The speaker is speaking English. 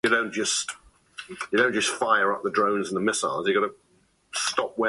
Bands listed in order of performance.